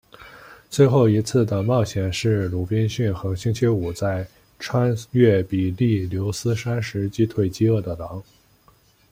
最后一次的冒险是鲁滨逊和星期五在穿越比利牛斯山时击退饥饿的狼。